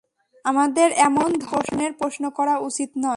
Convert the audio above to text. আমাদের এমন ধরণের প্রশ্ন করা উচিত নয়।